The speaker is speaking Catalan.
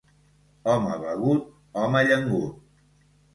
Home begut, home llengut.